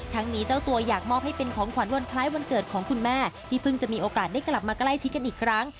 นี้เจ้าตัวอยากมอบให้เป็นของขวัญวันคล้ายวันเกิดของคุณแม่ที่เพิ่งจะมีโอกาสได้กลับมาใกล้ชิดกันอีกครั้ง